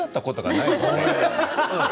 多いですね